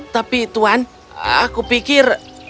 tapi tuan aku pikir